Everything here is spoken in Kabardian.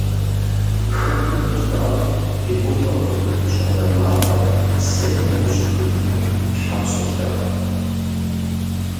Хэкум фыщыӏэу, фи гущӏэм къыщызэщӏэна мафӏэр зэи мыужьыхыжыну Тхьэм солъэӏу!